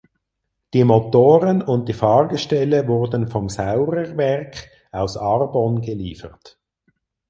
Die Motoren und die Fahrgestelle wurden vom Saurer Werk aus Arbon geliefert.